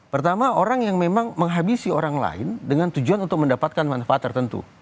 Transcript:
pertama orang yang memang menghabisi orang lain dengan tujuan untuk mendapatkan manfaat tertentu